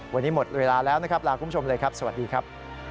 วันนี้หมดเวลาแล้วนะครับลาคุณผู้ชมเลยครับสวัสดีครับ